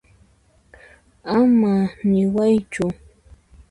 Ama niwaychu.